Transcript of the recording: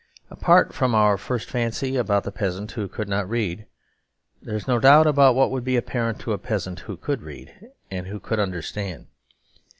Apart from our first fancy about the peasant who could not read, there is no doubt about what would be apparent to a peasant who could read, and who could understand.